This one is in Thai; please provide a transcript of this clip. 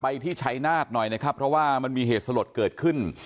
ที่ชัยนาฏหน่อยนะครับเพราะว่ามันมีเหตุสลดเกิดขึ้น